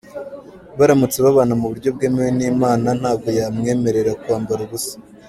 Baramutse babana mu buryo bwemewe n’imana, ntabwo yamwemerera "kwambara ubusa".